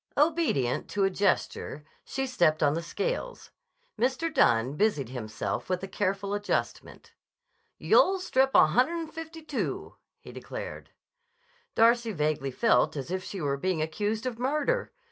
Obedient to a gesture she stepped on the scales. Mr. Dunne busied himself with a careful adjustment. "You'll strip a hunner'n fifty two," he declared. Darcy vaguely felt as if she were being accused of murder.